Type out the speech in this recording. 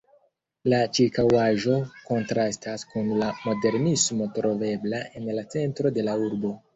La ĉirkaŭaĵo kontrastas kun la modernismo trovebla en la centro de la urbo.